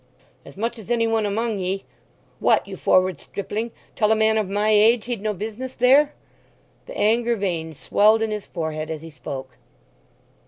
"As much as any one among ye! What, you forward stripling, tell a man of my age he'd no business there!" The anger vein swelled in his forehead as he spoke.